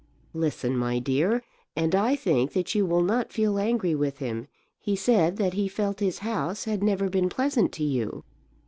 "Listen, my dear, and I think that you will not feel angry with him. He said that he felt his house had never been pleasant to you.